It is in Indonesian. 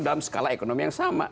dalam skala ekonomi yang sama